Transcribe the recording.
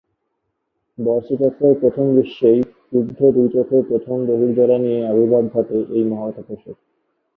বর্ষচক্রের প্রথম দৃশ্যেই ক্রুব্ধ দুইচোখে প্রখর বহ্নিজ্বালা নিয়ে আবির্ভাব ঘটে এই মহাতাপসের।